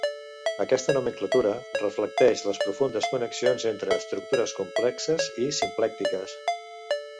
Aquesta nomenclatura reflecteix les profundes connexions entre estructures complexes i simplèctiques.